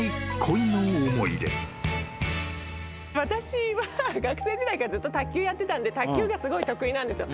私は学生時代からずっと卓球やってたんで卓球がすごい得意なんですよ。